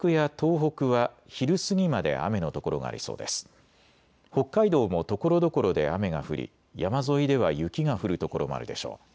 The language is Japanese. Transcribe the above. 北海道もところどころで雨が降り山沿いでは雪が降る所もあるでしょう。